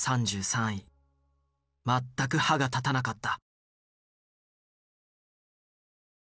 全く歯が立たなかった。